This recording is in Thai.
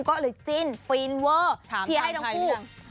ก็เลยจิ้นฟีนเวอร์เชียร์ให้ทั้งคู่